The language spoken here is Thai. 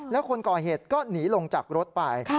แล้วคนก่อเหตุก็หนีลงจากรถไป